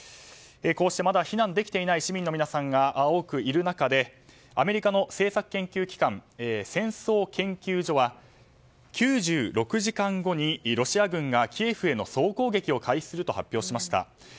こうして、まだ避難できていない市民の皆さんが多くいる中でアメリカの政策研究機関戦争研究所は９６時間後にロシア軍がキエフへの総攻撃を開始すると発表しました。